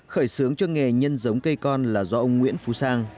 khởi xướng cho nghề nhân giống cây con là do ông nguyễn phú sang